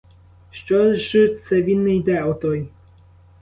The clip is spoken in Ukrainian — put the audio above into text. Що ж це він не йде, отой!